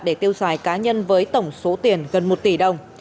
để tiêu xài cá nhân với tổng số tiền gần một tỷ đồng